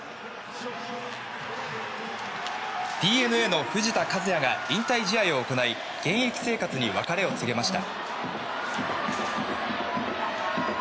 ＤｅＮＡの藤田一也が引退試合を行い現役生活に別れを告げました。